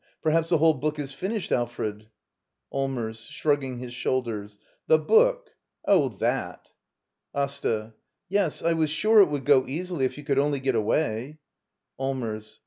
] Perhaps the whole book is finished, Alfred? Allmers. [Shrugging his shoulders.] The book—? Oh, that — Asta. Yes; I was sure it would go easily if you could only get away, Allmers.